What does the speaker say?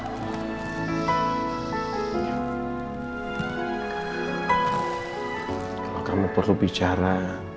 kalau kamu perlu bicara